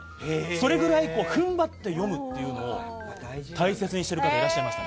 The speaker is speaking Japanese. それぐらい踏ん張って読むっていうのを大切にしている方いらっしゃいました。